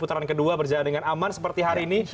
putaran kedua berjalan dengan aman seperti hari ini